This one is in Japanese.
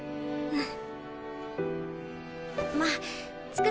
うん？